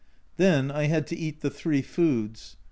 Then I had to eat the three foods.